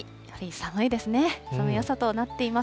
寒い朝となっています。